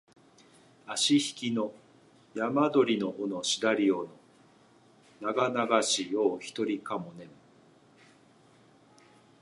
あしひきの山鳥の尾のしだり尾のながながし夜をひとりかも寝む